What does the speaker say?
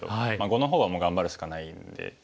碁の方はもう頑張るしかないんで。